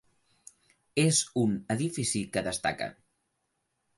És un edifici que destaca.